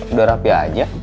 udah rapi aja